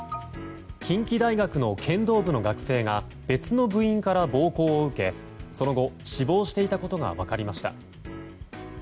近畿大学の剣道部の学生が別の部員から暴行を受けその後、死亡していたことが分かりました。